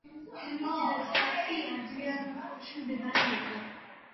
თემის დედაქალაქი ადრიანოპოლში მდებარეობდა.